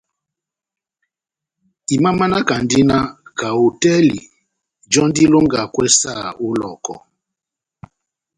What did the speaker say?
Imamanakandi na kaho hotɛli jɔ́ndi ilongakwɛ saha ó Lɔhɔkɔ.